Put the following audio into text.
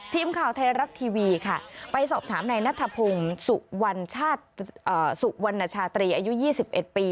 ทีมข่าวไทยรัฐทีวีค่ะไปสอบถามนายนัทพงศ์สุวรรณสุวรรณชาตรีอายุ๒๑ปี